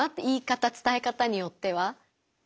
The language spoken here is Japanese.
言い方伝え方によっては。